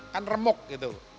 kan remuk gitu